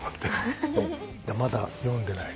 あっまだ読んでない？